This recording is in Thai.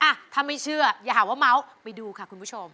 อ่ะถ้าไม่เชื่ออย่าหาว่าเมาส์ไปดูค่ะคุณผู้ชม